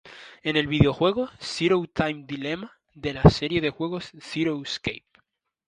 En el videojuego Zero Time Dilemma de la serie de juegos Zero Escape.